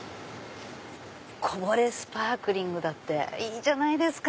「こぼれスパークリング」だっていいじゃないですか！